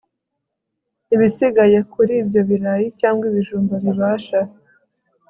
Ibisigaye kuri ibyo birayi cyangwa ibijumba bibasha